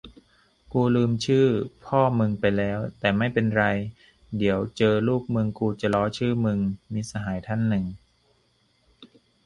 กูลืมชื่อพ่อมึงไปแล้ว แต่ไม่เป็นไร เดี๋ยวเจอลูกมึงกูจะล้อชื่อมึง มิตรสหายท่านหนึ่ง